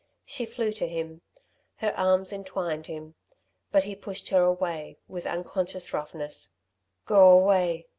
She flew to him; her arms entwined him. But he pushed her away, with unconscious roughness. "Go away!"